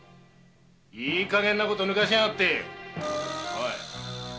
いいかげんなことぬかしやがって！